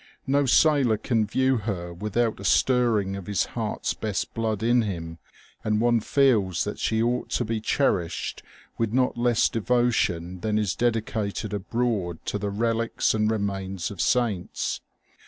No sailor can view her without a stirring of his heart's best blood in him, and one feels that she ought to be cherished with not less devotion than is dedicated abroad to the relics and remains of saints.